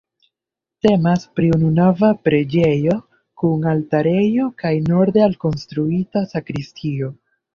Temas pri ununava preĝejo kun altarejo kaj norde alkonstruita sakristio.